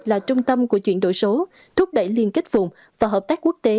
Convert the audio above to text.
là trung tâm của chuyển đổi số thúc đẩy liên kết vùng và hợp tác quốc tế